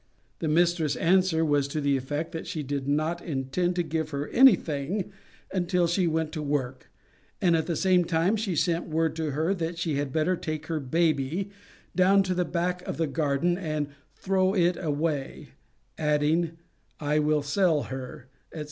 The mistress' answer was to the effect that she did not intend to give her anything until she went to work, and at the same time she sent word to her, that she had better take her baby down to the back of the garden and throw it away, adding 'I will sell her, etc.'"